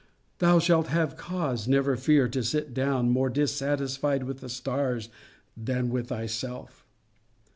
thou shalt have cause, never fear, to sit down more dissatisfied with the stars, than with thyself.